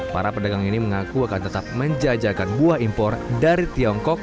para pedagang ini mengaku akan tetap menjajakan buah impor dari tiongkok